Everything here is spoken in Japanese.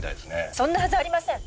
そんなはずありません！